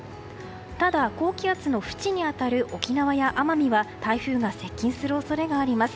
ただ、高気圧のふちに当たる沖縄や奄美は台風が接近する恐れがあります。